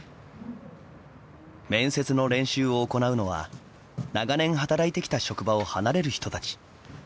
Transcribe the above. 面接の練習を行うのは長年働いてきた職場を離れる人たち。